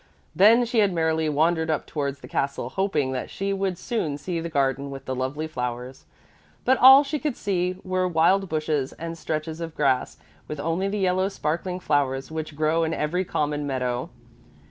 Then she had merrily wandered up towards the castle hoping that she would soon see the garden with the lovely flowers. But all she could see were wild bushes and stretches of grass with only the yellow sparkling flowers which grow in every common meadow.